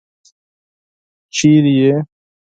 چېرته يې؟